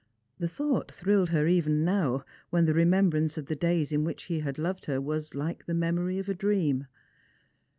2G7 The thought thrilled her even now, when the remembrance of the days in which he had loved her was like the memory of a dream.